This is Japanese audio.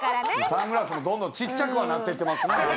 サングラスもどんどんちっちゃくはなっていってますね。